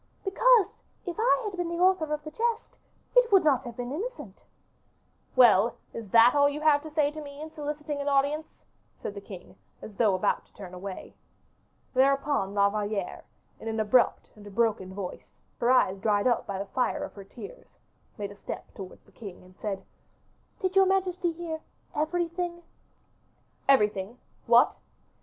"Because, if I had been the author of the jest, it would not have been innocent." "Well, is that all you had to say to me in soliciting an audience?" said the king, as though about to turn away. Thereupon La Valliere, in an abrupt and a broken voice, her eyes dried up by the fire of her tears, made a step towards the king, and said, "Did your majesty hear everything?" "Everything, what?"